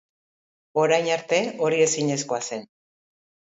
Orain arte hori ezinezkoa zen.